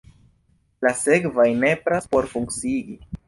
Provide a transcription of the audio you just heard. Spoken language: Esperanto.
La sekvaj nepras por funkciigi.